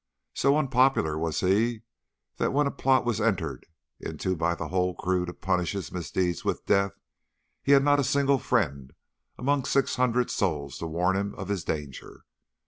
So unpopular was he that when a plot was entered into by the whole crew to punish his misdeeds with death, he had not a single friend among six hundred souls to warn him of his danger.